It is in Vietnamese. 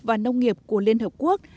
và nông nghiệp của liên hợp quốc